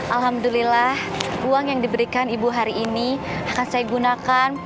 alhamdulillah uang yang diberikan ibu hari ini akan saya gunakan